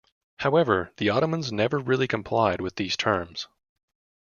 However, the Ottomans never really complied with these terms.